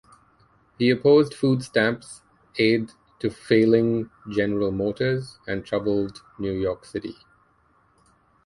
He opposed Food Stamps, aid to failing General Motors and troubled New York City.